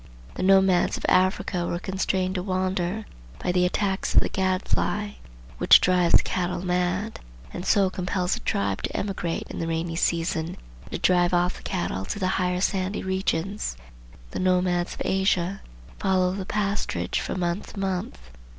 The nomads of Africa were constrained to wander, by the attacks of the gad fly, which drives the cattle mad, and so compels the tribe to emigrate in the rainy season and to drive off the cattle to the higher sandy regions. The nomads of Asia follow the pasturage from month to month.